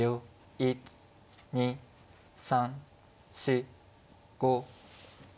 １２３４５６。